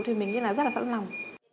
thì mình nghĩ là rất là sẵn lòng